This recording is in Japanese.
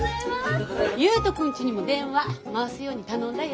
悠人君ちにも電話回すように頼んだよ。